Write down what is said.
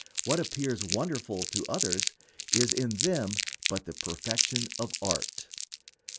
What appears wonderful to others is in them but the perfection of art.